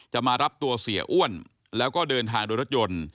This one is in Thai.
มารับตัวเสียอ้วนแล้วก็เดินทางโดยรถยนต์